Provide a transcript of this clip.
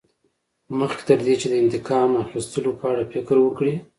مخکې تر دې چې د انتقام اخیستلو په اړه فکر وکړې.